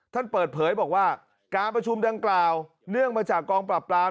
ท่านเปิดเผยบอกว่าการประชุมดังกล่าวเนื่องมาจากกองปราบปราม